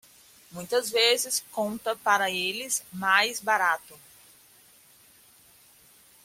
Muitas vezes, conta para eles mais barato